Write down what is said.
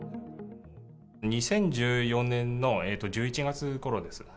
２０１４年の１１月ごろです。